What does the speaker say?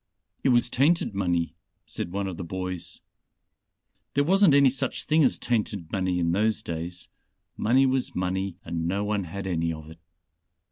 "It was tainted money," said one of the boys. "There wasn't any such thing as tainted money in those days. Money was money and no one had any of it.